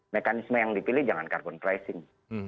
mekanisme yang dipilih jangan carbon pricing